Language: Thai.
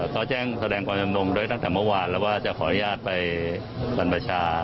เขาแจ้งแสดงความยำลมโดยตั้งแต่เมื่อวานแล้วว่าจะขออนุญาตไปการบรรจา